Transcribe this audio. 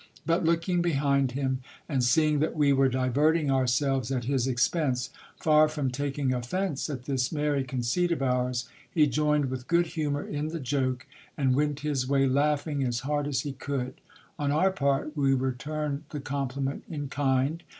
But looking behind him, and seeing that we were diverting ourselves at his expense, far from taking offence at this merry conceit of ours, he joined with good humour in the joke, and went his way laughing as hard as he could. On our part, we returned the compliment in kind.